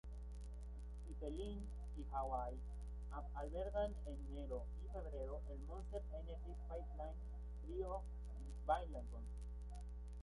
Pipeline y Hawaii albergan en enero y febrero el Monster Energy Pipeline Pro Billabong.